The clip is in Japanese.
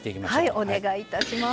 はいお願いいたします。